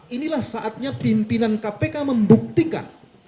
inilah saatnya pimpinan kpk membuktikan